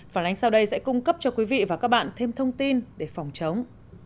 phản ánh sau đây sẽ cung cấp cho quý vị và các bạn thêm thông tin để phòng chống